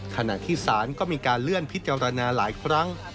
ขณะที่ศาลก็มีการเลื่อนพิจารณาหลายครั้ง